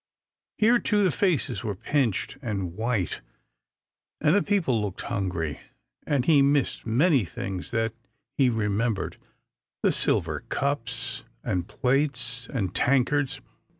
Here, too, the faces were pinched and white, and the people looked hungry. And he missed many things that he remembered: the silver cups, and plates, and tankards.